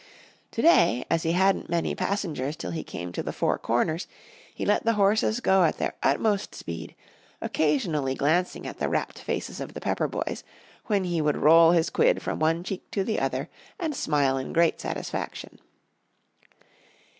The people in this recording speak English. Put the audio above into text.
To day, as he hadn't many passengers till he came to the Four Corners, he let the horses go at their utmost speed, occasionally glancing at the rapt faces of the Pepper boys, when he would roll his quid from one cheek to the other, and smile in great satisfaction.